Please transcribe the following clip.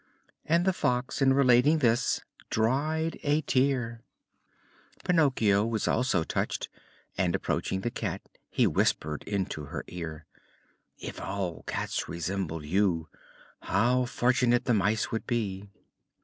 And the Fox, in relating this, dried a tear. Pinocchio was also touched and, approaching the Cat, he whispered into her ear: "If all cats resembled you, how fortunate the mice would be!"